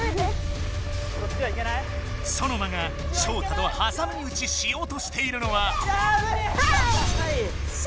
ソノマがショウタとはさみうちしようとしているのは。